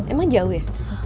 emang jauh ya